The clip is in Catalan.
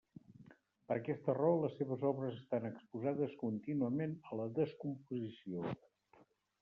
Per aquesta raó, les seves obres estan exposades contínuament a la descomposició.